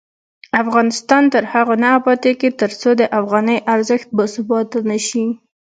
افغانستان تر هغو نه ابادیږي، ترڅو د افغانۍ ارزښت باثباته نشي.